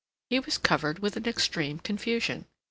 He was covered with an extreme confusion.